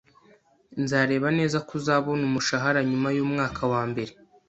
Nzareba neza ko uzabona umushahara nyuma yumwaka wambere